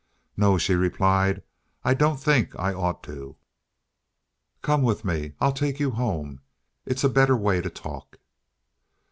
"No," she replied. "I don't think I ought to." "Come with me. I'll take you home. It's a better way to talk."